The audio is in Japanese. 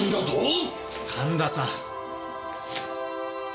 神田さん。